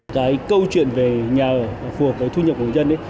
cái câu chuyện về nhà ở phù hợp với thu nhập của người dân